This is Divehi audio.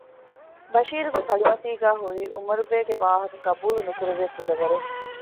ބަޝީރުގެ ކަޅިމަތީގައި ހުރީ އުމަރުބޭގެ ވާހަކަ ގަބޫލު ނުކުރެވޭ ކުލަވަރެއް